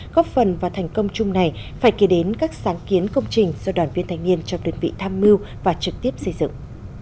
góp phần và thành công chung này phải kể đến các sáng kiến công trình do đoàn viên thanh niên trong đơn vị tham mưu và trực tiếp xây dựng